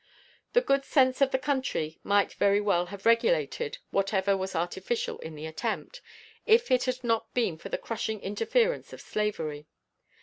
The good sense of the country might very well have regulated whatever was artificial in the attempt, if it had not been for the crushing interference of slavery.